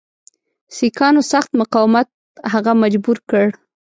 سیکهانو سخت مقاومت هغه مجبور کړ.